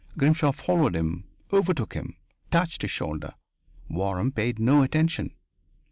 Grimshaw followed him, overtook him, touched his shoulder. Waram paid no attention.